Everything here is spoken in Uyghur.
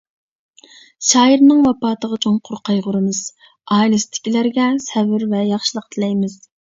شائىرنىڭ ۋاپاتىغا چوڭقۇر قايغۇرىمىز، ئائىلىسىدىكىلەرگە سەۋر ۋە ياخشىلىق تىلەيمىز.